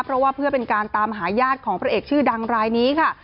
เพราะว่าเพื่อเป็นการตามหาญาติของพระเอกชื่อดังรายนี้ค่ะ